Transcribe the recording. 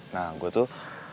nah gue tuh